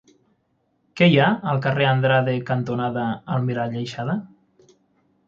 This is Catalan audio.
Què hi ha al carrer Andrade cantonada Almirall Aixada?